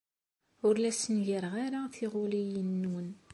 Ur la ssengareɣ ara tiɣuliyin-nwen.